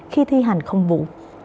khi thi hành không vụ